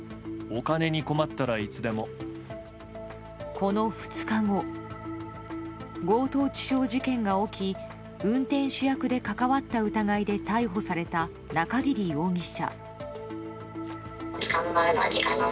この２日後強盗致傷事件が起き運転手役で関わった疑いで逮捕された、中桐容疑者。